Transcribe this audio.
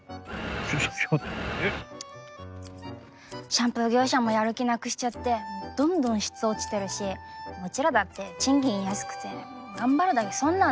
シャンプー業者もやる気なくしちゃってどんどん質落ちてるしうちらだって賃金安くて頑張るだけ損なんですよ。